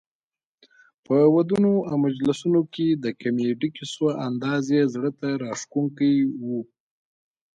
په ودونو او مجلسونو کې د کمیډي کیسو انداز یې زړه ته راښکوونکی وو.